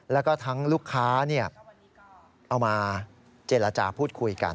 แล้วก็ทั้งลูกค้าเอามาเจรจาพูดคุยกัน